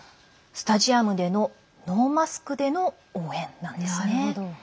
スタジアムでのノーマスクでの応援なんですね。